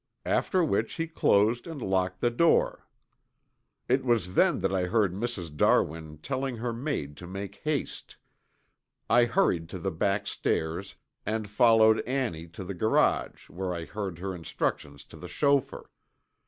After which he closed and locked the door. It was then that I heard Mrs. Darwin telling her maid to make haste. I hurried to the back stairs and followed Annie to the garage where I heard her instructions to the chauffeur.